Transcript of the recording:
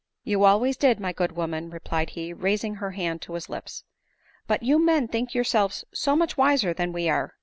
" You always did, my good woman," replied he, rais ing her hand to his lips. " But you men think yourselves so much wiser than we are